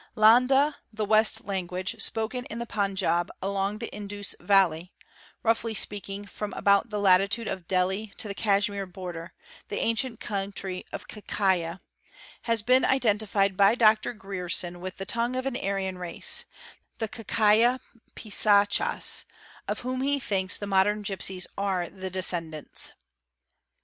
Lahnda, : "the west language,' spoken in the Panjab along the Indus valley— _ roughly speaking from about the latitude of Delhi to the Kashmir border, the ancient country of Kaikeya—has been identified by Dr. Grierson with the tongue of an Aryan race, the Kaikeya Pisachas, of whom he thinks the modern gipsies are the descendants.